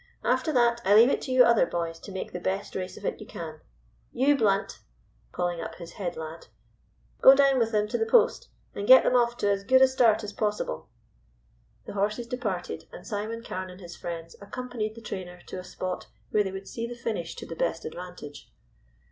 After that I leave it to you other boys to make the best race of it you can. You, Blunt," calling up his head lad, "go down with them to the post, and get them off to as good a start as possible." The horses departed, and Simon Carne and his friends accompanied the trainer to a spot where they would see the finish to the best advantage.